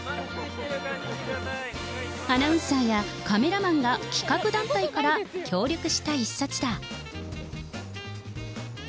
アナウンサーやカメラマンが企画段階から協力した一冊だ。